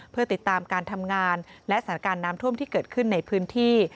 เพื่อติดตามการทำงานและสถานการณ์น้ำท่วมที่เกิดขึ้นในพื้นที่